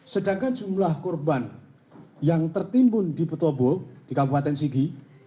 sedangkan jumlah korban yang tertimbun di petobo di kabupaten sigi